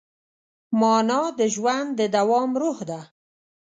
مانا د ژوند د دوام روح ده.